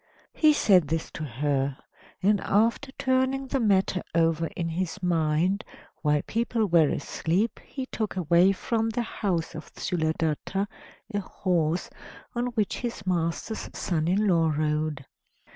He said this to her, and after turning the matter over in his mind, while people were asleep he took away from the house of Sthuladatta a horse on which his master's son in law rode.